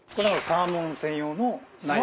サーモン専用？